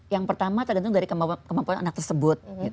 yang pertama tergantung dari kemampuan anak tersebut